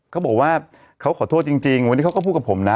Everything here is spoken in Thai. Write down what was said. เขาบอกว่าเขาขอโทษจริงวันนี้เขาก็พูดกับผมนะ